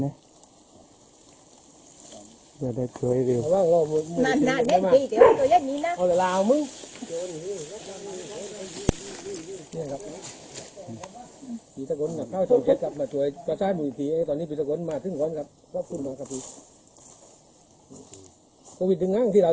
เหลืองเท้าอย่างนั้น